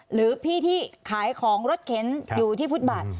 หรือพี่ที่ขายของรถเข็นอยู่ที่ฟุตบาท